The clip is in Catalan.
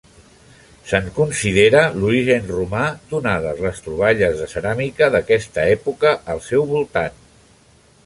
Se'n considera l'origen romà, donades les troballes de ceràmica d'aquesta època al seu voltant.